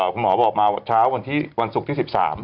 คุณหมอบอกมาวันเช้าวันที่วันศุกร์ที่๑๓